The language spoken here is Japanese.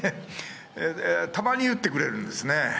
たまに打ってくれるんですね。